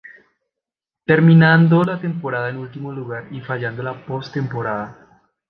Terminando la temporada en último lugar y fallando la post-temporada.